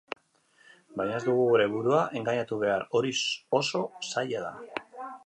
Baina ez dugu gure burua engainatu behar, hori oso zaila da.